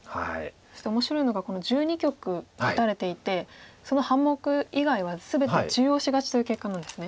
そして面白いのがこの１２局打たれていてその半目以外は全て中押し勝ちという結果なんですね。